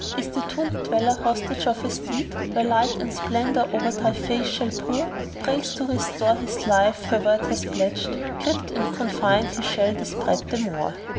Is the tomb dweller hostage of a stead, * Where light and splendour o'er thy face shall pour? Praise to restore his life her word hath pledged: * Cribbed and confined he shall dispread the more!"